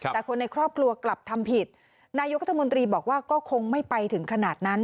แต่คนในครอบครัวกลับทำผิดนายกรัฐมนตรีบอกว่าก็คงไม่ไปถึงขนาดนั้น